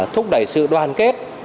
thúc đẩy sự đoàn kết